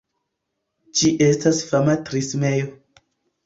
Ĝi estas fama trismejo.